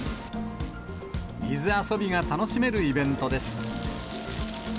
水遊びが楽しめるイベントです。